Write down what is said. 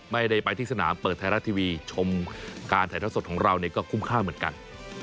ไม่ได้ไปที่สนามเปิดไทยรัฐทีวีชมการถ่ายเท้าสดของเราเนี่ยก็คุ้มค่าเหมือนกัน